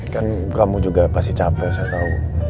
kan kamu juga pasti capek saya tahu